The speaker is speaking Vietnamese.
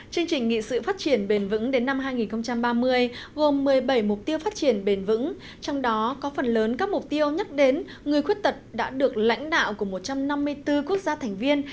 trong đó có phần lớn các mục tiêu nhắc đến người khuyết tật đã được lãnh đạo của một trăm năm mươi bốn quốc gia thành viên